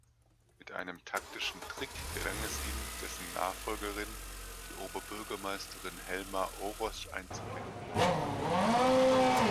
Mit einem taktischen Trick gelang es ihm, dessen Nachfolgerin, die Oberbürgermeisterin Helma Orosz einzubinden.